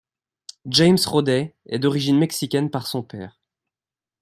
James Roday est d'origine mexicaine par son père.